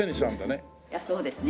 そうですね。